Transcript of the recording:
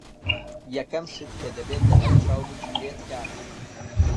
یەکەم شت کە دەبێت لەبەرچاو بگیرێت کاتە.